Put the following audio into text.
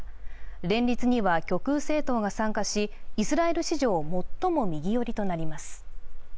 連立には極右政党が参加し、イスラエル史上最も右寄りとなります。